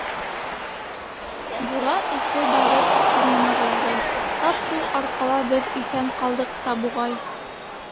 Бура эсе дары төтөнөнә тулды, тап шул арҡала беҙ иҫән ҡалдыҡ та, буғай.